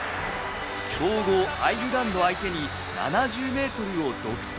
強豪アイルランド相手に７０メートルを独走。